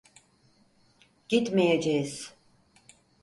Gitmeyeceğiz.